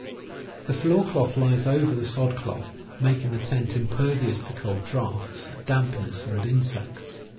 (Fig. 3.) The floor cloth lies over the sod cloth, making the tent impervious to cold draughts, dampness, and insects.